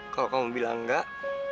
kalau kamu bilang enggak